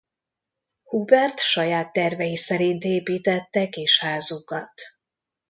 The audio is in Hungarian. Hubert saját tervei szerint építette kis házukat.